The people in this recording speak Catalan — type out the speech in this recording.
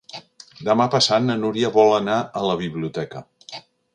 Demà passat na Núria vol anar a la biblioteca.